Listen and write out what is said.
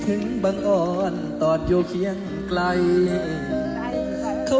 สวัสดีครับ